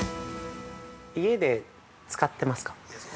家で使ってますか。